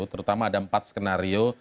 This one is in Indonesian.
terutama ada empat skenario